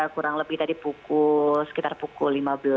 kurang lebih tadi sekitar pukul lima belas